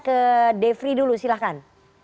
ke defri dulu silahkan